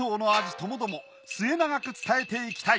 ともども末永く伝えていきたい。